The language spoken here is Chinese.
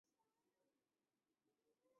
兰屿络石为夹竹桃科络石属下的一个种。